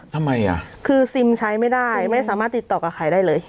ทำไมอ่ะคือซิมใช้ไม่ได้ไม่สามารถติดต่อกับใครได้เลย